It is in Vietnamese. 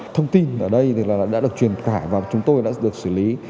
thông tin ở đây đã được truyền tải và chúng tôi đã được xử lý